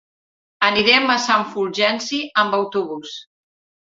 Anirem a Sant Fulgenci amb autobús.